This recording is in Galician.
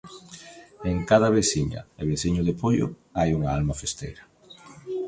En cada veciña e veciño de Poio hai unha alma festeira.